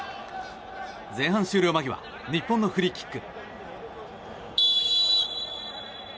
前半終了間際日本のフリーキック。